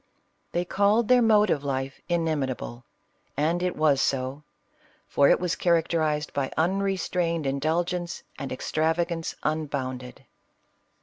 They called their mode of life " inimitable :" and it was so — for it was characterized by unrestrained indulgence and ex travagance unbounded.